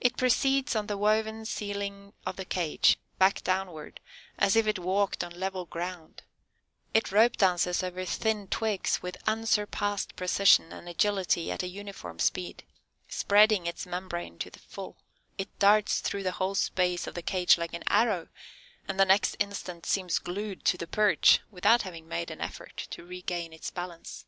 It proceeds on the woven ceiling of the cage, back downward, as if it walked on level ground; it rope dances over thin twigs with unsurpassed precision and agility at a uniform speed; spreading its membrane to the full, it darts through the whole space of the cage like an arrow, and the next instant seems glued to the perch, without having made an effort to regain its balance.